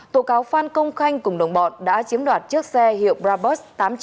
tổ cáo phan công khanh cùng đồng bọn đã chiếm đoạt chiếc xe hiệu brabus tám trăm linh